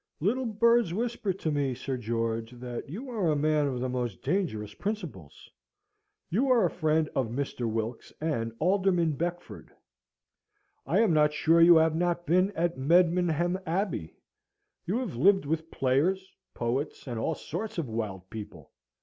"Little birds whisper to me, Sir George, that you are a man of the most dangerous principles. You are a friend of Mr. Wilkes and Alderman Beckford. I am not sure you have not been at Medmenham Abbey. You have lived with players, poets, and all sorts of wild people.